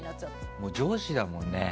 もう上司だもんね。